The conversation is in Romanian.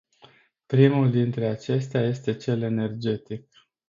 Primul dintre acestea este cel energetic.